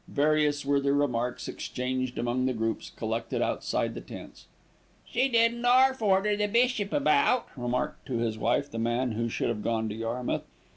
Various were the remarks exchanged among the groups collected outside the tents. "She didn't 'alf order the bishop about," remarked to his wife the man who should have gone to Yarmouth.